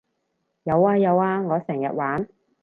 有呀有呀我成日玩